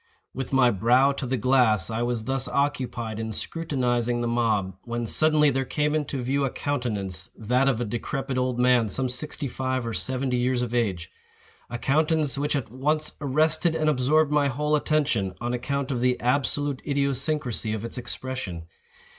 With my brow to the glass, I was thus occupied in scrutinizing the mob, when suddenly there came into view a countenance (that of a decrepid old man, some sixty five or seventy years of age,)—a countenance which at once arrested and absorbed my whole attention, on account of the absolute idiosyncrasy of its expression.